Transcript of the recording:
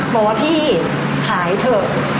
บอกว่าพี่ขายเถอะ